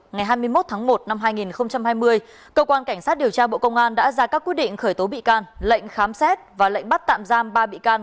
ngày hai mươi một tháng một năm hai nghìn hai mươi cơ quan cảnh sát điều tra bộ công an đã ra các quy định khởi tố bị can